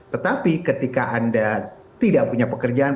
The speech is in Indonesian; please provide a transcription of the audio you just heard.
tetapi ketika anda tidak punya pekerjaan